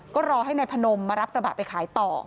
ก็รอให้นายพนมมารับกระบะไปขายต่อ